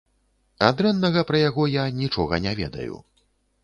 А дрэннага пра яго я нічога не ведаю.